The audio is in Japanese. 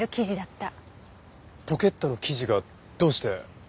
ポケットの生地がどうして？